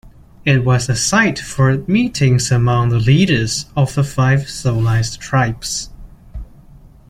It was a site for meetings among the leaders of the Five Civilized Tribes.